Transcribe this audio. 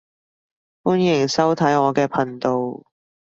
歡迎收睇我嘅頻道